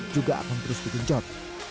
juga akan terus dikejot